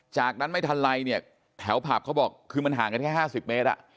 จากนั้นไม่ทันไรเนี่ยแถวผับเขาบอกคือมันห่างกันแค่๕๐เมตร